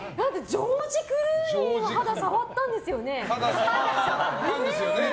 ジョージ・クルーニーの肌触ったんですよね？